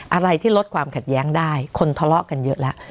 อะไรที่ลดความขัดแย้งได้คนทะเลาะกันเยอะแล้ว